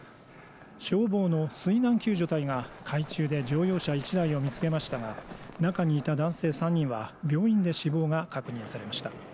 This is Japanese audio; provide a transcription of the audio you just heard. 消防の水難救助隊が海中で乗用車１台を見つけましたが、中にいた男性３人は病院で死亡が確認されました。